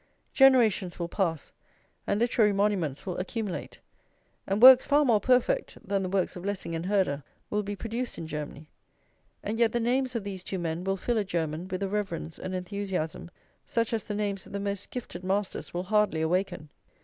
Generations will pass, and literary monuments will accumulate, and works far more perfect than the works of Lessing and Herder will be produced in Germany; and yet the names of these two men will fill a German with a reverence and enthusiasm such as the names of the most gifted masters will hardly awaken.